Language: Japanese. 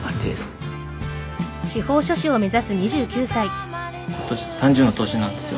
今は今年３０の年なんですよ。